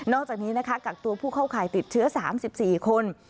อกจากนี้นะคะกักตัวผู้เข้าข่ายติดเชื้อ๓๔คน